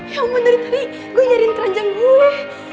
ya allah dari tadi gue nyariin keranjang gue